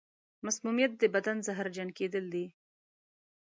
مسمومیت د بدن زهرجن کېدل دي.